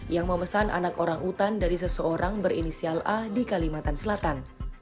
yang memesan anak orang utan dari seseorang berinisial a di kalimantan selatan